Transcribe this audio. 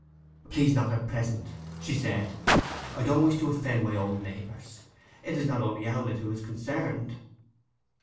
'Please not, at present,' she said. 'I don't wish to offend my old neighbours. It is not only Owlett who is concerned.